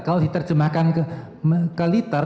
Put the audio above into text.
kalau diterjemahkan ke liter